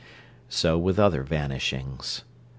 So with other vanishings.